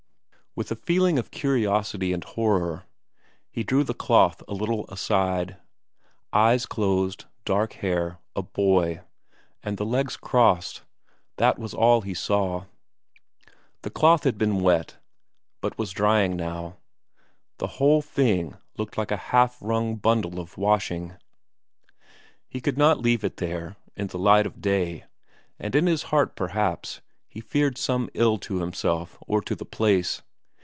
With a feeling of curiosity and horror he drew the cloth a little aside eyes closed, dark hair, a boy, and the legs crossed that was all he saw. The cloth had been wet, but was drying now; the whole thing looked like a half wrung bundle of washing. He could not leave it there in the light of day, and in his heart, perhaps, he feared some ill to himself or to the place.